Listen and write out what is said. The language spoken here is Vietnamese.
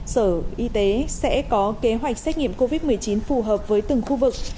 sở y tế sẽ có kế hoạch xét nghiệm covid một mươi chín phù hợp với từng khu vực